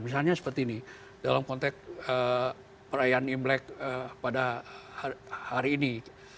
misalnya seperti ini dalam konteks perayaan imlek pada hari ini